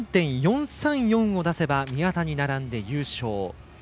１３．４３４を出せば宮田に並んで優勝。